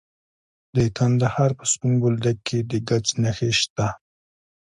د کندهار په سپین بولدک کې د ګچ نښې شته.